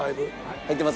入ってます？